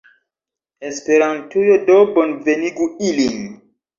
Esperantujo do bonvenigu ilin!